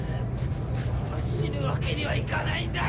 今死ぬわけにはいかないんだ！